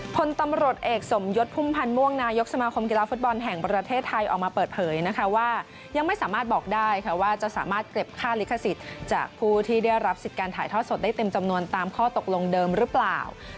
พลตำรวจเอกสมยศพุ่มพันธ์ม่วงนายกสมาคมกีฬาฟุตบอลแห่งประเทศไทยออกมาเปิดเผยนะคะว่ายังไม่สามารถบอกได้ค่ะว่าจะสามารถเก็บค่าลิขสิทธิ์จากผู้ที่ได้รับสิทธิ์การถ่ายทอดสดได้เต็มจำนวนตามข้อตกลงเดิมหรือเปล่า